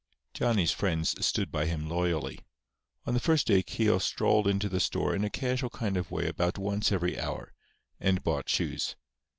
Johnny's friends stood by him loyally. On the first day Keogh strolled into the store in a casual kind of way about once every hour, and bought shoes.